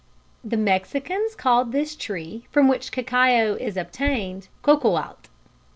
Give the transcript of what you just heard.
The Mexicans called the tree from which cacao is obtained cacauatl.